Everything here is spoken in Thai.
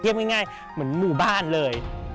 ง่ายเหมือนหมู่บ้านเลย